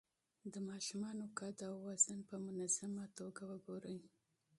د ماشومانو قد او وزن په منظمه توګه وګورئ.